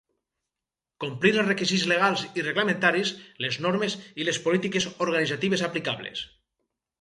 Complir els requisits legals i reglamentaris, les normes i les polítiques organitzatives aplicables.